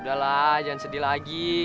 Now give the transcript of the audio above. udahlah jangan sedih lagi